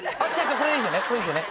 これいいですよね。